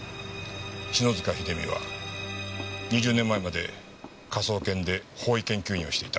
篠塚秀実は２０年前まで科捜研で法医研究員をしていた。